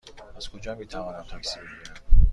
از کجا می توانم تاکسی بگیرم؟